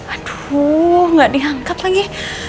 aduh gak diangkat lagi